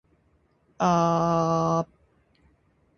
母は天才である